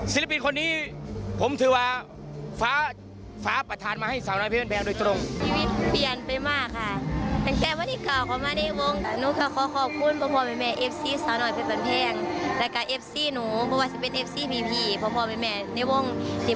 ศิลปินคนนี้ผมถือว่าฟ้าประธานมาให้สาวน้อยเพลงแพงโดยตรง